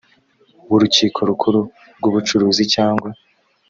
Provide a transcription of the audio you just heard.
w urukiko rukuru rw ubucuruzi cyangwa